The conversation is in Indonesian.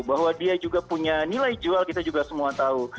bahwa dia juga punya nilai jual kita juga semua tahu